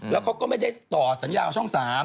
แล้วเขาก็ไม่ได้ต่อสัญญาช่อง๓